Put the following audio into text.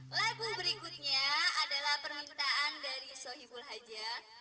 lagu berikutnya adalah permintaan dari sohibul haja